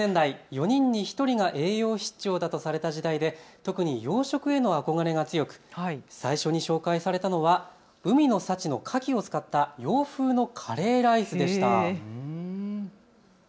４人に１人が栄養失調だとされた時代で特に洋食への憧れが強く最初に紹介されたのは海の産地のかきを使った洋風のカレーライスでした。